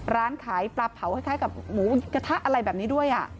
ร้านขายปลาเผาคล้ายกับหมูกระทะอะไรแบบนี้ด้วย